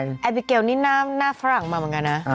โอ้ยแต่แอบริเกานี้หน้าฝรั่งมาเหมือนกันนะ